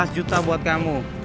lima belas juta buat kamu